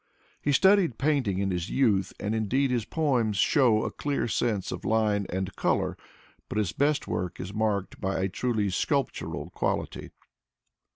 He studied painting in his youth, and indeed his poems show a clear sense of line and color, but his best work is marked by a truly sculptural quality.